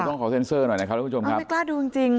ขอเซ็นเซอร์หน่อยนะครับทุกผู้ชมครับไม่กล้าดูจริงจริง